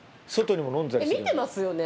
えっ見てますよね？